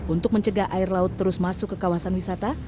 untuk mencegah air laut terus masuk ke kawasan wisata